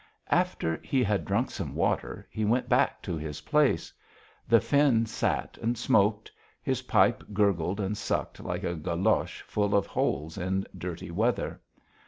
After he had drunk some water, he went back to his place. The Finn sat and smoked. His pipe gurgled and sucked like a galoche full of holes in dirty weather.